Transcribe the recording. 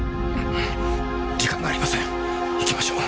時間がありません行きましょう。